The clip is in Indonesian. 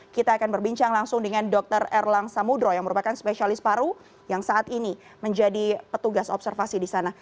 kita akan berbincang langsung dengan dr erlang samudro yang merupakan spesialis paru yang saat ini menjadi petugas observasi di sana